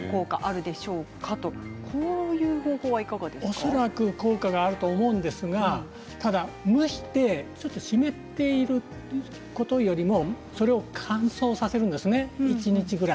恐らく効果があると思うんですがただ、蒸してちょっと湿っていることよりもそれを乾燥させるんですね一日くらい。